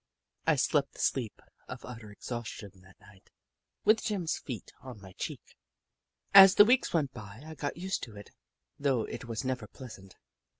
I slept the sleep of utter exhaustion that night — with Jim's feet on my cheek. As the weeks went by, I got used to it, though it was never pleasant.